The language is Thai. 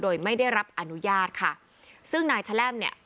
โดยไม่ได้รับอนุญาตค่ะซึ่งนายแชล่มเนี่ย